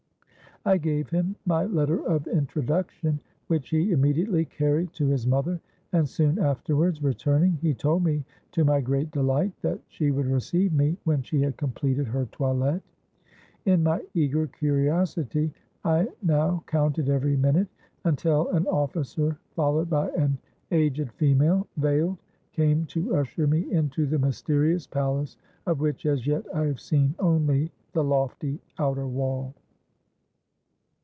I gave him my letter of introduction, which he immediately carried to his mother, and soon afterwards, returning, he told me, to my great delight, that she would receive me when she had completed her toilette. In my eager curiosity I now counted every minute, until an officer followed by an aged female, veiled, came to usher me into the mysterious palace of which, as yet, I had seen only the lofty outer wall.